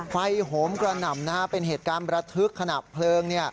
โหมกระหน่ำเป็นเหตุการณ์ประทึกขณะเพลิง